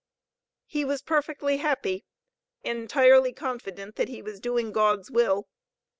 He was perfectly happy, entirely confident that he was doing God's will.